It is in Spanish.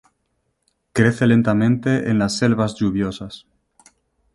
Crece lentamente en las selvas lluviosas.